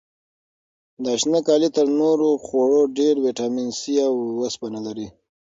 دا شنه کالي تر نورو خوړو ډېر ویټامین سي او وسپنه لري.